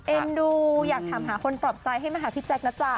เอ็นดูอยากถามหาคนปลอบใจให้มาหาพี่แจ๊คนะจ๊ะ